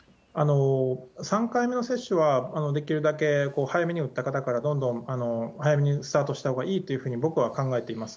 ３回目の接種は、できるだけ早めに打った方からどんどん早めにスタートしたほうがいいというふうに、僕は考えています。